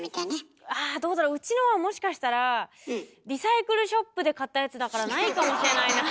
どうだろううちのはもしかしたらリサイクルショップで買ったやつだからないかもしれないな。